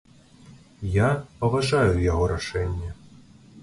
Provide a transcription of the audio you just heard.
Я паважаю яго рашэнне.